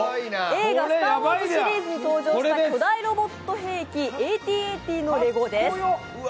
映画「スター・ウォーズ」シリーズに登場した巨大ロボット兵器、「ＡＴ−ＡＴ」のレゴです。